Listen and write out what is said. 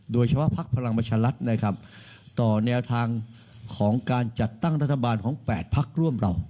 โดยเฉพาะพักพลังประชารัฐต่อแนวทางของการจัดตั้งรัฐบาลของ๘พักร่วมเรา